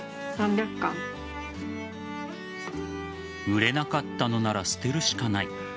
売れなかったのなら捨てるしかない。